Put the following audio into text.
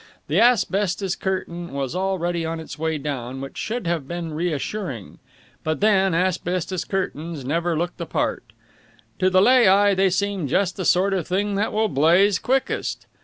The asbestos curtain was already on its way down, which should have been reassuring: but then asbestos curtains never look the part. To the lay eye they seem just the sort of thing that will blaze quickest.